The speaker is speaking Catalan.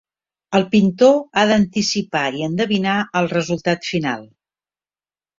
El pintor ha d'anticipar i endevinar el resultat final.